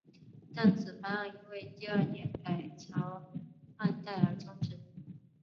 但此方案因为第二年改朝换代而中止。